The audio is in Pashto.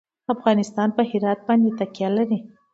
افغانستان په هرات باندې تکیه لري.